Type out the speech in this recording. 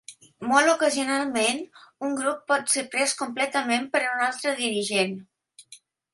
Molt ocasionalment, un grup pot ser pres completament per un altre dirigent.